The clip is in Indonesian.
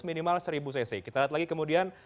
minimal seribu cc kita lihat lagi kemudian